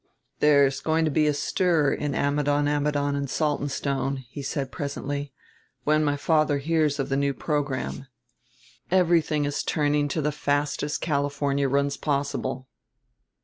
"There's going to be a stir in Ammidon, Ammidon and Saltonstone," he said presently, "when my father hears of the new program. Everything is turning to the fastest California runs possible.